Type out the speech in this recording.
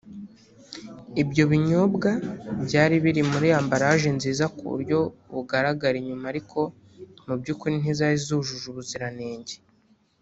Ibyo binyobwa byari biri muri ambaraje nziza ku buryo bugaragara inyuma ariko mu byukuri ntizari zujuje ubuziranenge